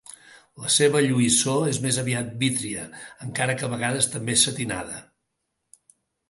La seva lluïssor és més aviat vítria, encara que a vegades també setinada.